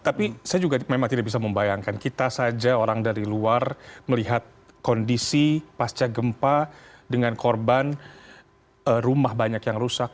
tapi saya juga memang tidak bisa membayangkan kita saja orang dari luar melihat kondisi pasca gempa dengan korban rumah banyak yang rusak